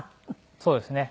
そうですね。